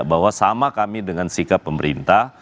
bahwa sama kami dengan sikap pemerintah